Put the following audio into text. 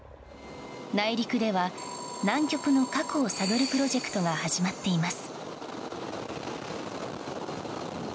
内陸では南極の過去を探るプロジェクトが始まっています。